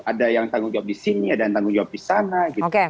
ada yang tanggung jawab di sini ada yang tanggung jawab di sana gitu